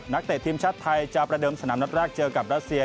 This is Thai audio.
เตะทีมชาติไทยจะประเดิมสนามนัดแรกเจอกับรัสเซีย